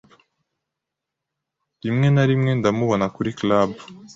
Rimwe na rimwe ndamubona kuri club.